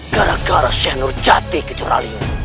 gara gara saya nurjati kucur aling